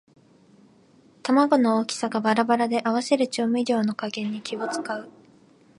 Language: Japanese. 玉子の大きさがバラバラで合わせる調味料の加減に気をつかう